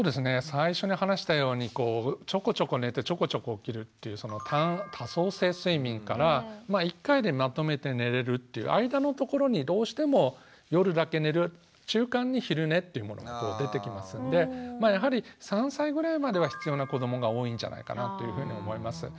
最初に話したようにこうちょこちょこ寝てちょこちょこ起きるという多相性睡眠から一回でまとめて寝れるという間のところにどうしても夜だけ寝る中間に昼寝というものが出てきますのでまあやはり３歳ぐらいまでは必要な子どもが多いんじゃないかなというふうに思います。